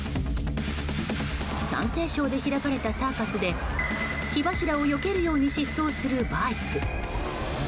山西省で開かれたサーカスで火柱をよけるように疾走するバイク。